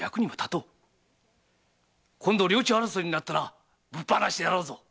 今度領地争いになったらぶっ放してやろうぞ！